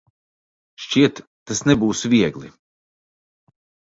Šķiet, tas nebūs viegli.